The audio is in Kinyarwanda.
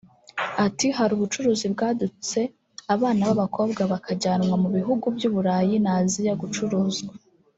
Ati “Hari ubucuruzi bwadutse abana b’abakobwa bakajyanwa mu bihugu by’uburayi na Asiya gucuruzwa